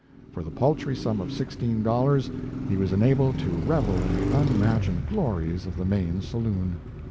For the paltry sum of sixteen dollars, he was enabled to revel in the unimagined glories of the main saloon.